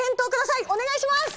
お願いします！